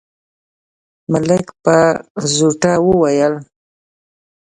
ملک په زوټه وويل: